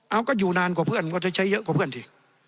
เอาก็อยู่นานกว่าเพื่อนก็จะใช้เยอะกว่าเพื่อนสิ